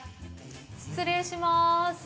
失礼します。